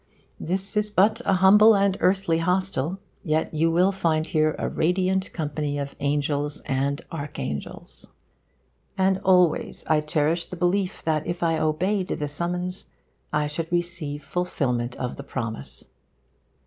'This is but a humble and earthly hostel, yet you will find here a radiant company of angels and archangels.' And always I cherish the belief that if I obeyed the summons I should receive fulfilment of the promise.